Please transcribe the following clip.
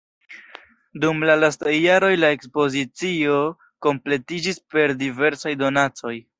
Dum la lastaj jaroj la ekspozicio kompletiĝis per diversaj donacoj.